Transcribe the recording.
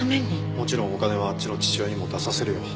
もちろんお金はあっちの父親にも出させるよ。